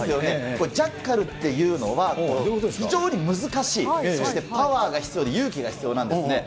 これ、ジャッカルっていうのは、非常に難しい、そしてパワーが必要で、勇気が必要なんですね。